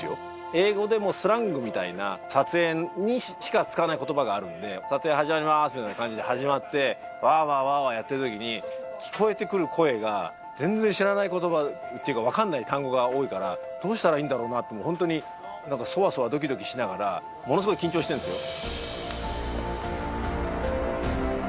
英語でもスラングみたいな撮影にしか使わない言葉があるんで撮影始まりますみたいな感じで始まってワーワーワーワーやってるときに聞こえてくる声が全然知らない言葉っていうか分かんない単語が多いからどうしたらいいんだろうなってもうホントにそわそわドキドキしながらものすごい緊張してんですよ